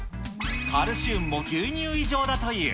カルシウムも牛乳以上だとい